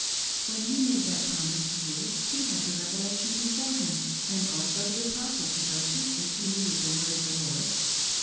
When he made that promise to you, he had the Revelation before him, and had also the Apostle to go to if he needed the ' Word of the Lord.'